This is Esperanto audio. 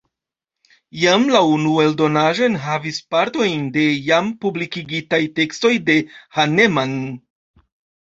Jam la unua eldonaĵo enhavis partojn de jam publikigitaj tekstoj de Hahnemann.